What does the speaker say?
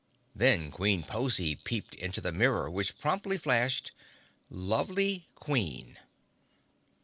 Then Queen Pozy peeped into the mirror, which promptly flashed: Lovely Queen.